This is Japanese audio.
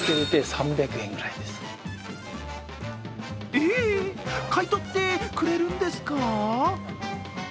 えっ、買い取ってくれるんですか？